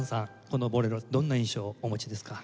この『ボレロ』どんな印象をお持ちですか？